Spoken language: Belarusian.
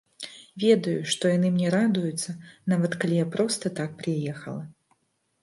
Ведаю, што яны мне радуюцца, нават калі я проста так прыехала.